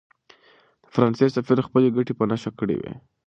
د فرانسې سفیر خپلې ګټې په نښه کړې وې.